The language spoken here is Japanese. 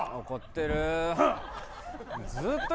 怒ってるー。